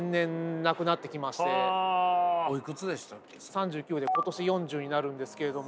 ３９で今年４０になるんですけれども。